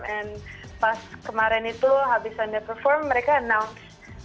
dan pas kemarin itu habis andrea perform mereka announce